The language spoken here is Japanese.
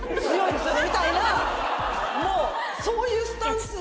みたいなもうそういうスタンス。